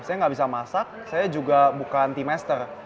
saya bisa masak saya juga bukan team master